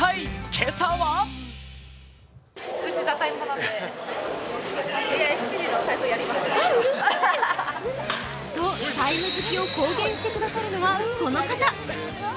今朝は「ＴＩＭＥ，」好きを公言してくださるのはこの方。